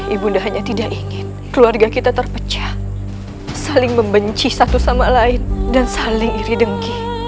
ibunda hanya tidak ingin keluarga kita terpecah saling membenci satu sama lain dan saling iri dengki